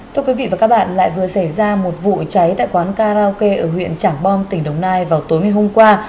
thưa quý vị và các bạn lại vừa xảy ra một vụ cháy tại quán karaoke ở huyện trảng bom tỉnh đồng nai vào tối ngày hôm qua